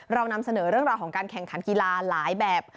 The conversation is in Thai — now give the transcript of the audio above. เรานำเสนอเรื่องราวของการแข่งขันกีฬาหลายแบบ